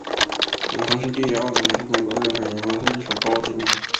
永康市第二中学是中国浙江省永康市的一所高级中学。